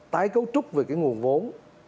tái cấu trúc về cái nguồn vốn